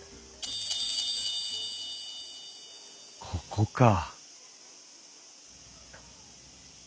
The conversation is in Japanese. ここか。